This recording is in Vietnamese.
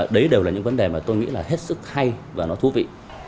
đấy đều là những vấn đề mà tôi nghĩ là hết sức hay và nó thú vị